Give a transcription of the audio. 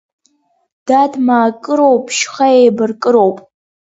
Дад маакыроуп, шьха еибаркыроуп…